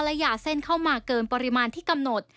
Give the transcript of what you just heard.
และยาเส้นเข้ามาเกินปริมาณที่กำหนด